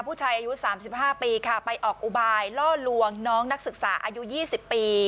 ผู้ชายอายุ๓๕ปีค่ะไปออกอุบายล่อลวงน้องนักศึกษาอายุ๒๐ปี